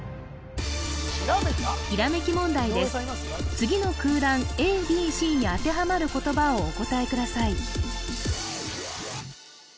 次の空欄ＡＢＣに当てはまる言葉をお答えください